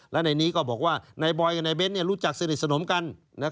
และในนี้ก็บอกว่านายบอยกับนายเบ้นรู้จักสนิทสนมกัน